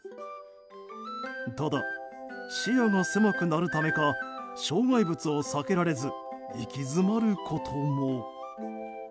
ただ、視野が狭くなるためか障害物を避けられず行き詰まることも。